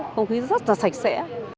không khí rất là sạch sẽ